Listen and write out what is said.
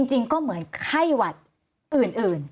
จริงก็เหมือนไข้หวัดอื่น